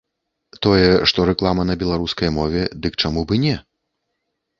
Тое, што рэклама на беларускай мове, дык чаму б і не?